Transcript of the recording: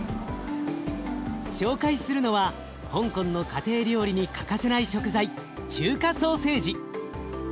紹介するのは香港の家庭料理に欠かせない食材中華ソーセージ。